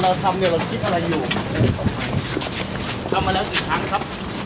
เราทำแล้วคิดอะไรอยู่ครับ